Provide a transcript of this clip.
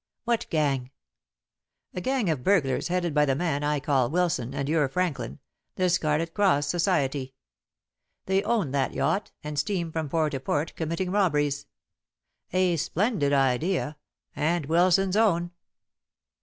"What gang?" "A gang of burglars headed by the man I call Wilson and your Franklin the Scarlet Cross Society. They own that yacht, and steam from port to port committing robberies. A splendid idea, and Wilson's own."